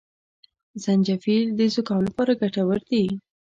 زنجپيل د زکام لپاره ګټور دي